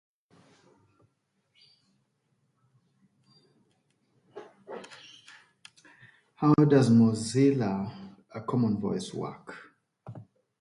The nonprofit Pacific Beach Town Council promotes the area and organizes community events.